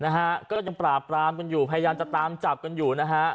นะฮะก็ยังปราบปรามกันอยู่พยายามจะตามจับกันอยู่นะฮะ